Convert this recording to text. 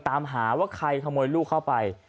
ตามหาว่าใครขโมยลูกเข้าไป